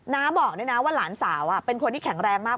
น้าบอกด้วยนะว่าหลานสาวเป็นคนที่แข็งแรงมาก